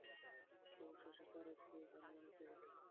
অবশেষে চারুকেই হার মানিতে হইল।